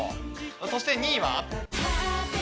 そして２位は。